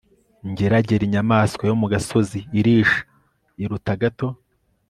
ingeragere inyamaswa yo mu gasozi irisha, iruta gato